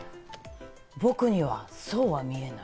僕にはそうは見えない。